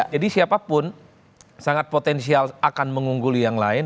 jadi siapapun sangat potensial akan mengungguli yang lain